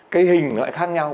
cái hình nó lại khác nhau